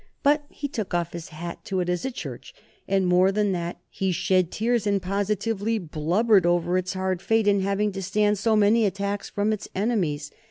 But he took off his hat to it as a Church, and, more than that, he shed tears and positively blubbered over its hard fate in having to stand so many attacks from its enemies.